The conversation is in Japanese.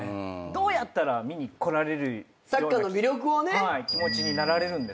どうやったら見に来られるような気持ちになられるんですか？